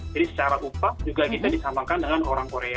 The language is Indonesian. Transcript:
jadi secara upah juga kita disamakan dengan orang korea